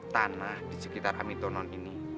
tanah di sekitar amitonon ini